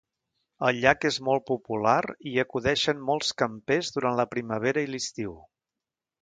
El llac és molt popular i hi acudeixen molts campers durant la primavera i l"estiu.